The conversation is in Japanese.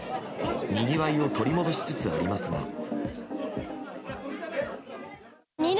にぎわいを取り戻しつつありますが。